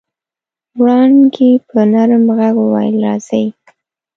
وړانګې په نرم غږ وويل راځئ.